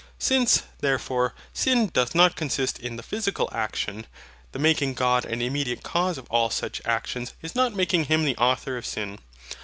Since, therefore, sin doth not consist in the physical action, the making God an immediate cause of all such actions is not making Him the Author of sin.